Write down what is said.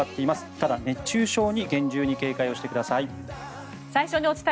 ただ、熱中症に厳重に警戒してください。